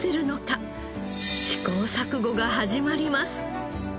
試行錯誤が始まります。